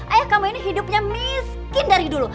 ayah kamu ini hidupnya miskin dari dulu